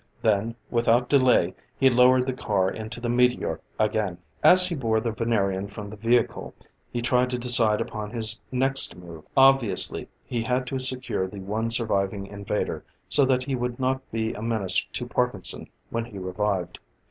Then, without delay, he lowered the car into the meteor again. As he bore the Venerian from the vehicle, he tried to decide upon his next move. Obviously, he had to secure the one surviving invader, so that he would not be a menace to Parkinson when he revived.